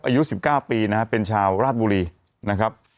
อายุ๑๙ปีนะครับเป็นชาวราชบุรีนะครับ